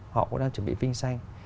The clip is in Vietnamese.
họ cũng đang chuẩn bị vinh danh